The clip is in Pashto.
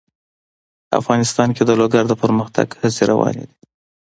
افغانستان کې د لوگر د پرمختګ هڅې روانې دي.